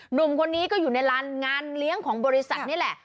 หนุ่มคนนี้ก็อยู่ในร้านงานเลี้ยงของบริษัทนี่แหละ